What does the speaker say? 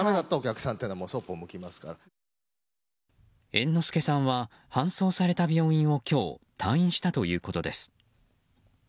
猿之助さんは搬送された病院を今日、退院したということです。